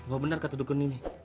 oh benar kata dukun ini